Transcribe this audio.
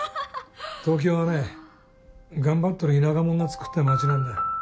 東京はね頑張ってる田舎もんがつくった街なんだよ